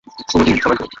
শুভ দিন, সবাইকে।